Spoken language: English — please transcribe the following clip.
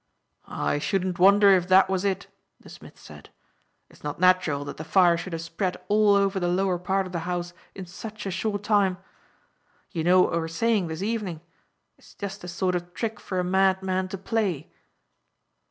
"I shouldn't wonder if that was it," the smith said. "It's not natural that the fire should have spread all over the lower part of the house in such a short time. You know what we were saying this evening. It's just the sort of trick for a madman to play."